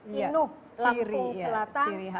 inuh lampung selatan